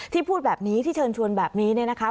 พูดแบบนี้ที่เชิญชวนแบบนี้เนี่ยนะคะ